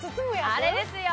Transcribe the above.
あれですよ。